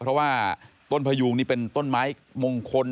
เพราะว่าต้นพยูงนี่เป็นต้นไม้มงคล